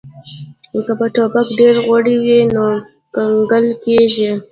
که په ټوپک ډیر غوړي وي نو کنګل کیږي